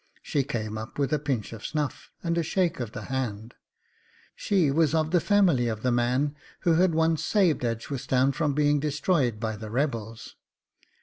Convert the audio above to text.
She came up with a pinch of snuff, and a shake of the hand; she was of the family of the man who had once saved Edgeworthstown from being destroyed by the rebels.